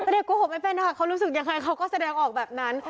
โกหกไม่เป็นค่ะเขารู้สึกยังไงเขาก็แสดงออกแบบนั้น